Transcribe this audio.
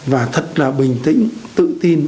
và thật là bình tĩnh tự tin